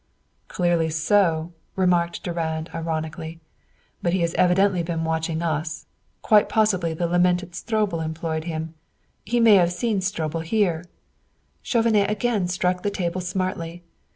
"Clearly so," remarked Durand ironically. "But he has evidently been watching us. Quite possibly the lamented Stroebel employed him. He may have seen Stroebel here " Chauvenet again struck the table smartly.